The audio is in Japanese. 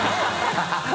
ハハハ